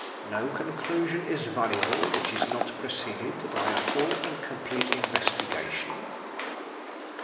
No conclusion is valuable which is not preceded by a full and complete investigation.